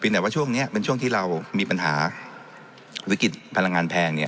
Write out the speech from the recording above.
แต่ว่าช่วงนี้เป็นช่วงที่เรามีปัญหาวิกฤตพลังงานแพง